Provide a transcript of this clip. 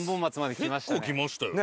結構来ましたよね。